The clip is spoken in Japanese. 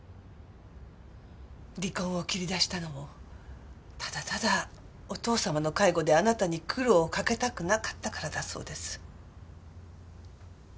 離婚を切り出したのもただただお父様の介護であなたに苦労をかけたくなかったからだそうです。